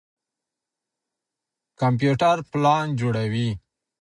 کمپيوټر پلان جوړوي.